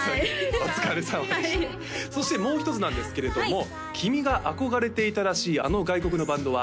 お疲れさまでしたそしてもう一つなんですけれども「君が憧れていたらしいあの外国のバンドは」